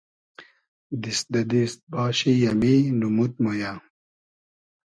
دیست دۂ دیست باشی امی نومود مۉ یۂ